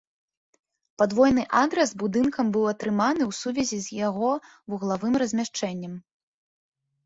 Падвойны адрас будынкам быў атрыманы ў сувязі з яго вуглавым размяшчэннем.